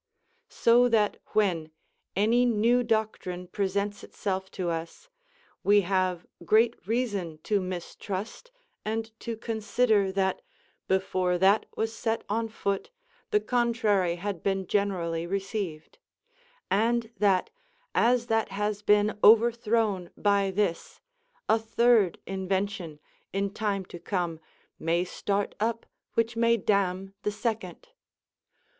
So that when any new doctrine presents itself to us, we have great reason to mistrust, and to consider that, before that was set on foot, the contrary had been generally received; and that, as that has been overthrown by this, a third invention, in time to come, may start up which may damn the second.